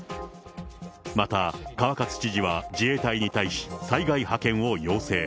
また川勝知事は自衛隊に対し、災害派遣を要請。